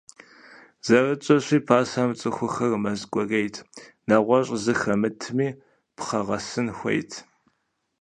Зэрытщӏэщи, пасэм цӏыхухэр мэз кӏуэрейт, нэгъуэщӏ зы хэмытми, пхъэгъэсын хуейт.